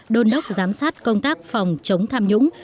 đôn đốc giám sát công tác phòng chống tham nhũng